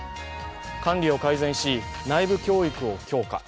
管理を改善し、内部教育を強化。